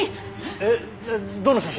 えっどの写真？